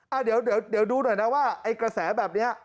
อ่ะเดี๋ยวดูหน่อยนะว่าไอ้กระแสแบบนี้